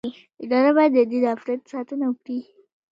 اداره باید د دې دفتر ساتنه وکړي.